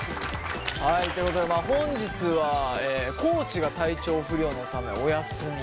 はいということで本日は地が体調不良のためお休み。